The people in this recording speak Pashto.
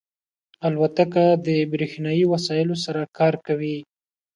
الوتکه د بریښنایی وسایلو سره کار کوي.